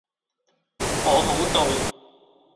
我好凍